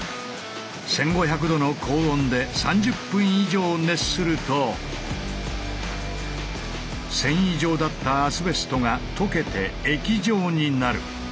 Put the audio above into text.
１，５００度の高温で３０分以上熱すると繊維状だったアスベストが溶けて液状になる。